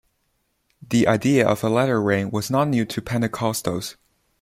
The idea of a latter rain was not new to Pentecostals.